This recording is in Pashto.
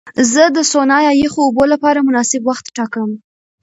زه د سونا یا یخو اوبو لپاره مناسب وخت ټاکم.